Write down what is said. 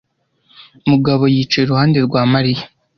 Mugabo yicaye iruhande rwa Mariya